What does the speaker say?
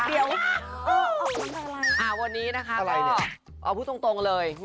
ต้องใช้ความรู้ไม่ใช่ใช้ความรู้ไม่มีนะ